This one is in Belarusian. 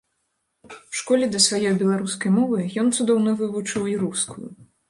У школе да сваёй беларускай мовы ён цудоўна вывучыў і рускую.